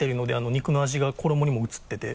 肉の味が衣にも移ってて。